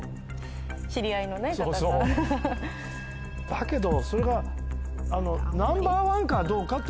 だけどそれが。